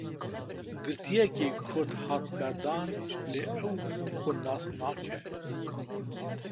Girtiyekî Kurd hat berdan lê ew xwe nas nake.